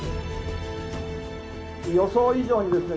予想以上にですね